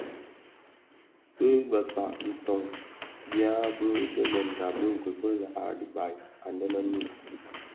Bi bëkpag bitoň bya bi bèlèga bi nkokuel a dhibaï anë le Noun.